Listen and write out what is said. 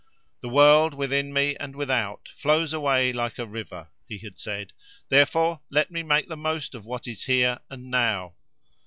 "The world, within me and without, flows away like a river," he had said; "therefore let me make the most of what is here and now."